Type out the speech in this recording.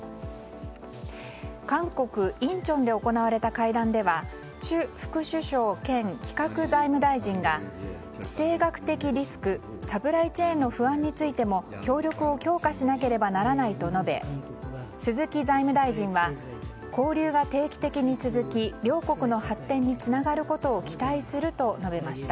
韓国インチョンで行われた会談ではチュ副首相兼企画財務大臣が地政学的リスクサプライチェーンの不安についても協力を強化しなければならないと述べ鈴木財務大臣は交流が定期的に続き両国の発展につながることを期待すると述べました。